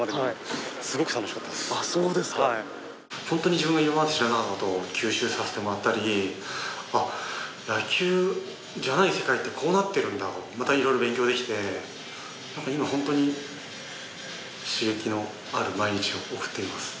自分が今まで知らなかったことを吸収させてもらったり「野球じゃない世界ってこうなってるんだ」をまた色々勉強できて今ホントに刺激のある毎日を送っています